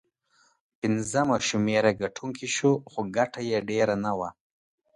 پنځمه شمېره ګټونکی شو، خو ګټه یې ډېره نه وه.